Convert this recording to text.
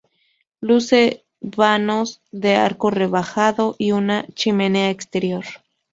Luce vanos de arco rebajado y una chimenea exterior.